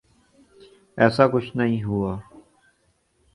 ایساکچھ نہیں ہوا۔